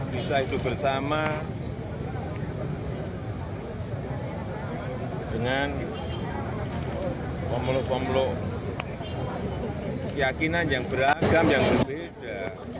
bisa hidup bersama dengan pemeluk pemeluk keyakinan yang beragam yang berbeda